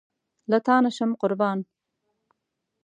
له تانه شم قربان